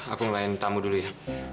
aku ngelain tamu dulu ya